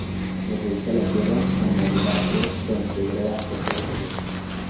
De regreso a la Tierra, Armadura se reintegró al Cuerpo de Estudiantes.